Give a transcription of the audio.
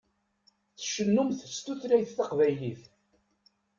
Tcennumt s tutlayt taqbaylit.